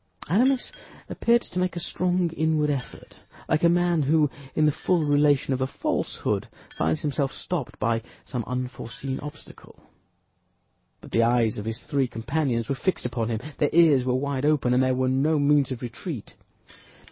Aramis appeared to make a strong inward effort, like a man who, in the full relation of a falsehood, finds himself stopped by some unforeseen obstacle; but the eyes of his three companions were fixed upon him, their ears were wide open, and there were no means of retreat.